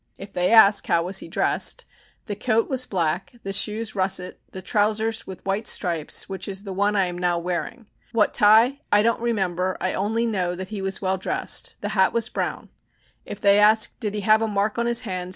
If they ask how was he dressed? The coat was black, the shoes russet the Trousers with white stripes which is the one I am now wearing; what tie, I don't remember, I only know he was well dressed, the hat was brown, if they ask did he have a mark on his hand?